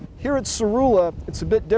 di sini di sarula ini agak berbeda